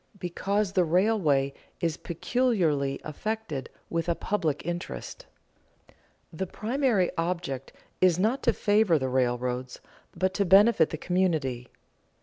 Because the railway is peculiarly "affected with a public interest." The primary object is not to favor the railroads, but to benefit the community.